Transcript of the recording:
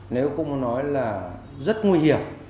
nếu không nói là rất nguy hiểm